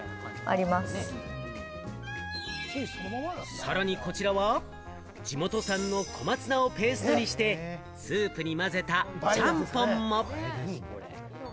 さらにこちらは地元産の小松菜をペーストにしてスープに混ぜた、ちゃんぽんも。